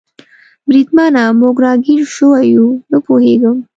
بریدمنه، موږ را ګیر شوي یو؟ نه پوهېږم.